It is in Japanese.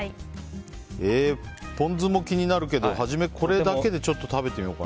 ポン酢も気になるけどはじめ、これだけで食べてみようかな。